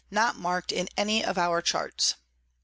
not mark'd in any of our Charts.